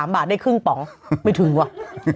บาทได้ครึ่งป๋องไม่ถึงว่ะ